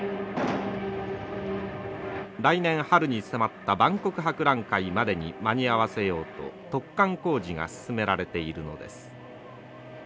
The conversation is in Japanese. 来年春に迫った万国博覧会までに間に合わせようと突貫工事が進められているのです。